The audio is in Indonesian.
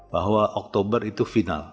bahwa oktober itu final